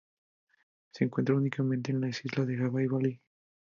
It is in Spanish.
Se encuentra únicamente en las islas de Java y Bali.